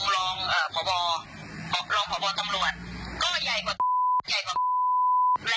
แล้วก็ได้ไป